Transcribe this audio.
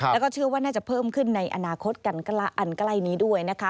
แล้วก็เชื่อว่าน่าจะเพิ่มขึ้นในอนาคตกันอันใกล้นี้ด้วยนะคะ